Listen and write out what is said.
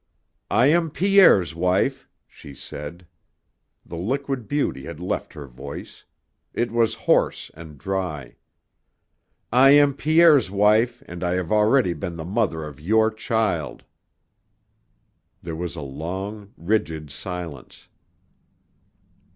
"I am Pierre's wife," she said. The liquid beauty had left her voice. It was hoarse and dry. "I am Pierre's wife and I have already been the mother of your child." There was a long, rigid silence.